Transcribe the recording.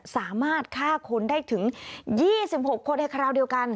สามารถฆ่าคนได้ถึง๒๖คนในคราวเดียวกัน